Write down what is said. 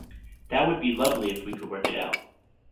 That would be lovely if we could work it out.